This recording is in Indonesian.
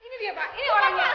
ini dia pak ini orangnya